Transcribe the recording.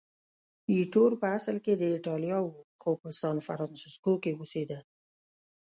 ایټور په اصل کې د ایټالیا و، خو په سانفرانسیسکو کې اوسېده.